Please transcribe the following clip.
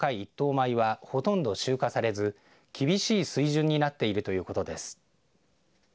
米はほとんど集荷されず厳しい水準になっているということです。